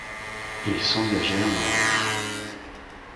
Ils s'engagèrent dans la rue.